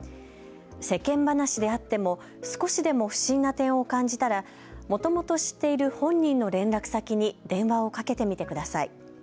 世間話であっても少しでも不審な点を感じたら、もともと知っている本人の連絡先に電話をかけてみてください。